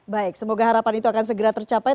baik semoga harapan itu akan segera tercapai